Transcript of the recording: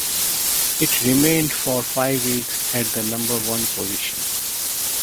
It remained for five weeks at the number-one position.